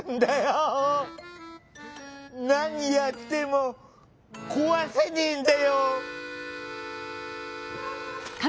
何やっても壊せねえんだよ！